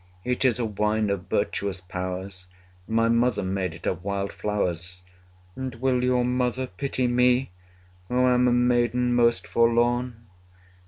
It is a wine of virtuous powers; My mother made it of wild flowers. And will your mother pity me, Who am a maiden most forlorn?